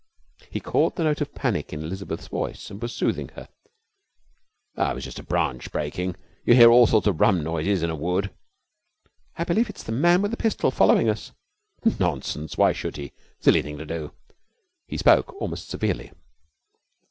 He caught the note of panic in Elizabeth's voice, and was soothing her. 'It was just a branch breaking. You hear all sorts of rum noises in a wood.' 'I believe it's the man with the pistol following us!' 'Nonsense. Why should he? Silly thing to do!' He spoke almost severely.